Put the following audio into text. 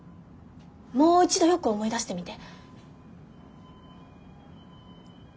もう一度よく思い出してみて。